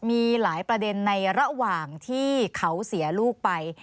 มีหลายประเด็นในระหว่างที่เขาเสียลูกไป